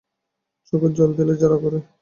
চোখে জল দিলে জালা করে।